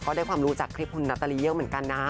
ได้ความรู้จากคลิปคุณนาตรีเยอะเหมือนกันนะ